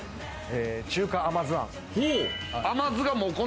中華甘酢あん。